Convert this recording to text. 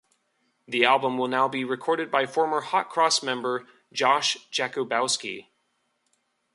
The album will now be recorded by former Hot Cross member Josh Jakubowski.